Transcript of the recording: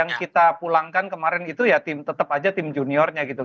kalau kita pulangkan kemaren itu ya tetep aja tim juniornya gitu